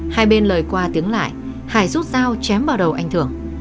hai bên lời qua tiếng lại hải rút dao chém vào đầu anh thưởng